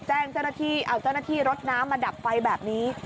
แจ้งเจ้าหน้าที่เอาเจ้าหน้าที่รถน้ำมาดับไฟแบบนี้